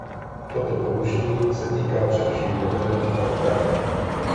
Toto poučení se týká především jaderných elektráren.